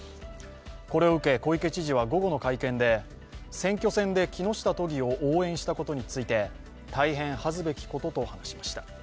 これを受け、小池知事は午後の会見で選挙戦で木下都議を応援したことについて、大変恥ずべきことと話しました。